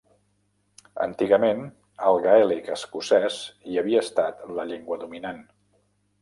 Antigament el gaèlic escocès hi havia estat la llengua dominant.